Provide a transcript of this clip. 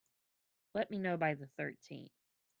Let me know by the thirteenth.